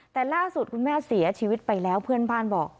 แต่ล่าสุดคุณแม่เสียชีวิตไปแล้วเพื่อนบ้านบอก